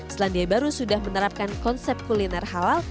selandia baru sudah menerapkan konsep kuliner halal